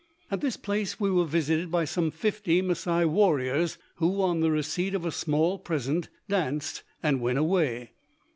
At this place we were visited by some fifty Masai warriors, who on the receipt of a small present danced and went away.